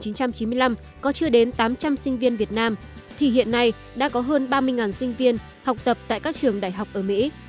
năm một nghìn chín trăm chín mươi năm có chưa đến tám trăm linh sinh viên việt nam thì hiện nay đã có hơn ba mươi sinh viên học tập tại các trường đại học ở mỹ